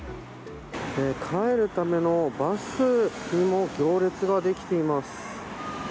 帰るためのバスにも行列ができています。